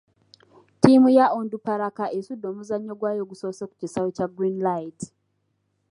Ttiimu ya Onduparaka esudde omuzannyo gwayo ogusoose ku kisaawe kya Green Light.